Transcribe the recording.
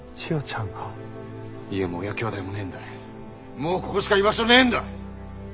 もうここしか居場所ねえんだ。